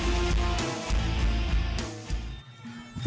สวัสดีครับตรงนี้มีกับเราสองคนเหมือนเดิมนะครับ